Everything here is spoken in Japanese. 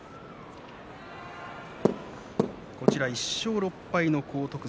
１勝６敗の荒篤山